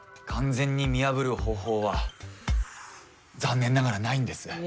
完全に見破る方法は残念ながらないんです。